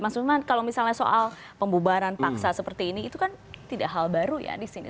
mas usman kalau misalnya soal pembubaran paksa seperti ini itu kan tidak hal baru ya di sini